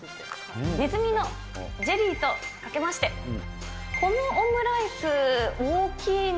ネズミのジェリーとかけまして、このオムライス大きいの？